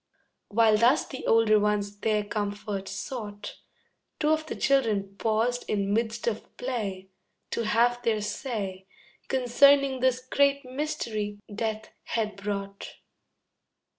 While thus the older ones their comfort sought, Two of the children paused in midst of play, To have their say Concerning this great mystery Death had brought.